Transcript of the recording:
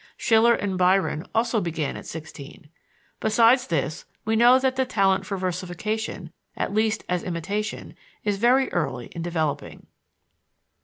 Schiller and Byron also began at sixteen. Besides this, we know that the talent for versification, at least as imitation, is very early in developing.